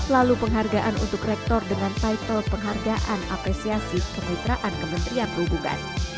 lalu penghargaan untuk rektor dengan title penghargaan apresiasi kemitraan kementerian perhubungan